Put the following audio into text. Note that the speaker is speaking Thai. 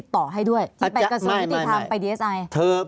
ภารกิจสรรค์ภารกิจสรรค์